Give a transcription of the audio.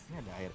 ini ada air